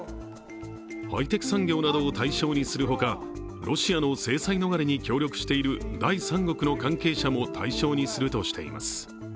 ハイテク産業などを対象にするほか、ロシアの制裁逃れに協力している第三国の関係者も対象にするとしています。